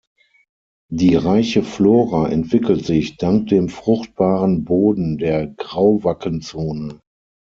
Die reiche Flora entwickelt sich dank dem fruchtbaren Boden der Grauwackenzone.